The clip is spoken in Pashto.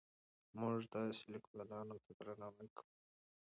موږ داسې لیکوالانو ته درناوی کوو.